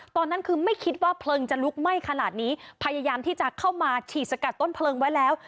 ตอนนั้นคือไม่คิดว่าเพลิงจะลุกไหม้ขนาดนี้พยายามที่จะเข้ามาฉีดสกัดต้นเพลิงไว้แล้ว